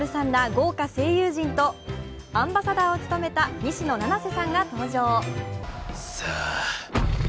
豪華声優陣とアンバサダーを務めた西野七瀬さんが登場。